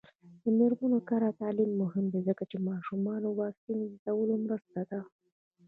د میرمنو کار او تعلیم مهم دی ځکه چې ماشومانو واکسین زیاتولو مرسته ده.